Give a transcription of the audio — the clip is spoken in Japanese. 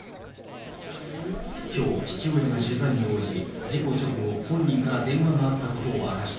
きょう、父親が取材に応じ、事故直後、本人から電話があったことを明かした。